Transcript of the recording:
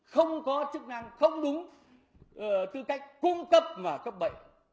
không có chức năng không đúng tư cách cung cấp mà cấp bậy